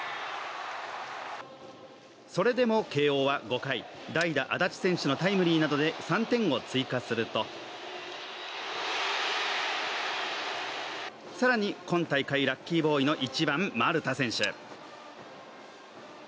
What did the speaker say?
それでも慶応は５回、代打・安達選手のタイムリーなどで３点を追加すると更に今大会ラッキーボーイの１番・丸田選手。